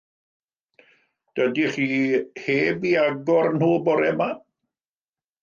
Dydych chi heb eu hagor nhw bore 'ma?